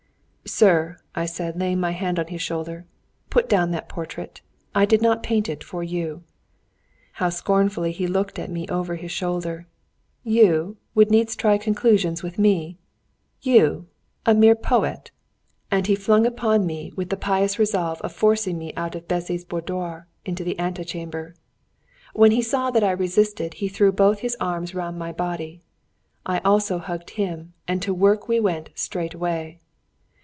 "Sir," said I, laying my hand on his shoulder, "put down that portrait! I did not paint it for you." How scornfully he looked at me over his shoulder! "You would needs try conclusions with me you, a mere poet!" And he flung himself upon me with the pious resolve of forcing me out of Bessy's boudoir into the ante chamber. When he saw that I resisted, he threw both his arms round my body. I also hugged him, and to work we went straightway.